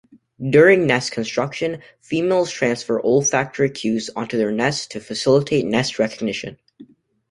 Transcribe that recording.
During nest construction, females transfer olfactory cues onto their nests to facilitate nest recognition.